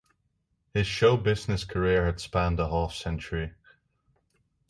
His show business career had spanned a half century.